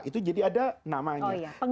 itu jadi ada namanya